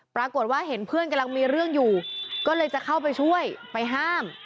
ปรากฏว่าเห็นเพื่อนกำลังมีเรื่องอยู่ก็เลยจะเข้าไปช่วยไปห้าม